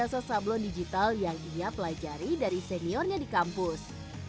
melayani jasa sablon digital yang dia pelajari dari seniornya di kampus